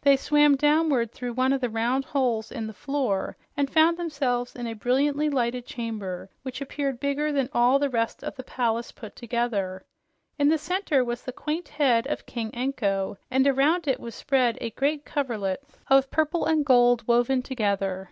They swam downward through one of the round holes in the floor and found themselves in a brilliantly lighted chamber which appeared bigger than all the rest of the palace put together. In the center was the quaint head of King Anko, and around it was spread a great coverlet of purple and gold woven together.